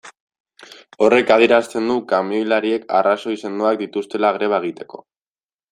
Horrek adierazten du kamioilariek arrazoi sendoak dituztela greba egiteko.